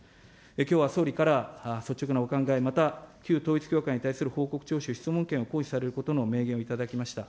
きょうは総理から、率直なお考え、また旧統一教会に対する報告徴収、質問権を行使されることの明言を頂きました。